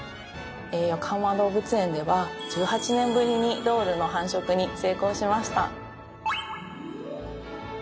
よこはま動物園では１８年ぶりにドールの繁殖に成功しました。